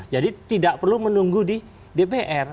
jadi tidak perlu menunggu di dpr